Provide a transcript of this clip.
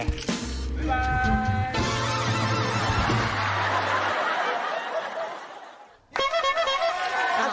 บ๊ายบาย